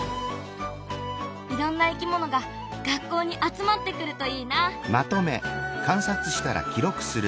いろんないきものが学校に集まってくるといいな。